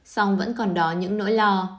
xong vẫn còn đó những nỗi lo